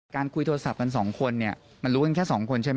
คุยโทรศัพท์กันสองคนเนี่ยมันรู้กันแค่สองคนใช่ไหม